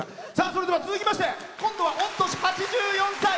それでは続きまして、今度は御年８４歳。